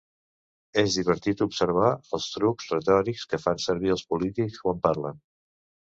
Es divertit observar els trucs retòrics que fan servir els polítics quan parlen.